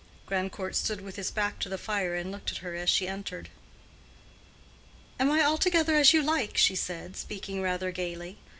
Grandcourt stood with his back to the fire and looked at her as she entered. "Am I altogether as you like?" she said, speaking rather gaily.